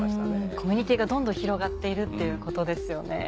コミュニティーがどんどん広がっているっていうことですよね。